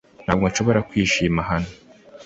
Ntabwo nshobora kwishima hano